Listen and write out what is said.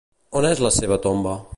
On és la seva tomba?